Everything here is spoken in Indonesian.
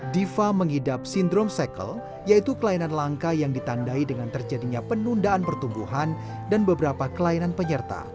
diva mengidap sindrom sekel yaitu kelainan langka yang ditandai dengan terjadinya penundaan pertumbuhan dan beberapa kelainan penyerta